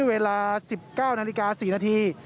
เวลา๑๙นาฬิกา๔นาที